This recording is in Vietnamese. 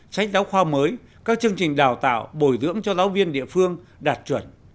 sách giáo khoa mới các chương trình đào tạo bồi dưỡng cho giáo viên địa phương đạt chuẩn